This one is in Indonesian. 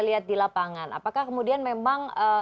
lihat di lapangan apakah kemudian memang